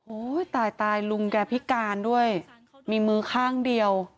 ตายตายลุงแกพิการด้วยมีมือข้างเดียว